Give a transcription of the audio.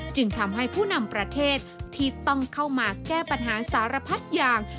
จึงทำให้ผู้นำประเทศที่ต้องเข้ามาแก้ปัญหาสารพัดอย่าง